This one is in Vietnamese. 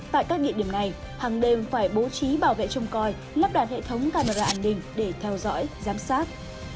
tại các địa điểm này hàng đêm phải bố trí bảo vệ trông coi lắp đặt hệ thống camera an ninh để theo dõi giám sát